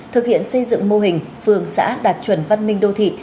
thực hiện xây dựng mô hình phường xã đạt chuẩn văn minh đô thị